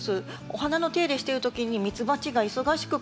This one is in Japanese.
お花の手入れしてる時にミツバチが忙しく